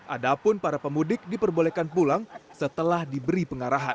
ada pun para pemudik diperbolehkan pulang setelah diberi pengarahan